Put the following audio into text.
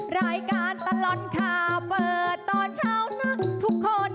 รายการตลอดข่าวเปิดตอนเช้านักทุกคน